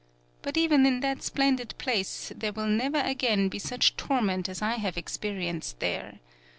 But even in that splendid place there will never again be such torment as I have experi enced there.